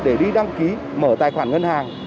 để đi đăng ký mở tài khoản ngân hàng